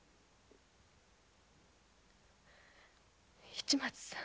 市松さん。